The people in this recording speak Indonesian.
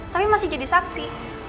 tapi masih jadi saksi